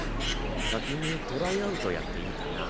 先にトライアウトやっていいかな？